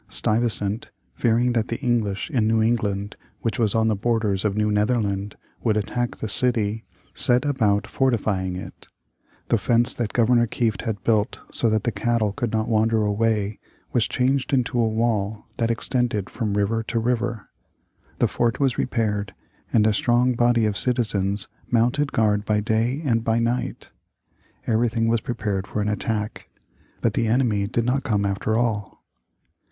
Stuyvesant, fearing that the English in New England, which was on the borders of New Netherland, would attack the city, set about fortifying it. The fence that Governor Kieft had built so that the cattle could not wander away was changed into a wall that extended from river to river. The fort was repaired, and a strong body of citizens mounted guard by day and by night. Everything was prepared for an attack. But the enemy did not come after all.